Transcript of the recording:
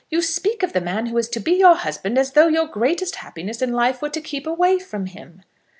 "You speak of the man who is to be your husband as though your greatest happiness in life were to keep away from him."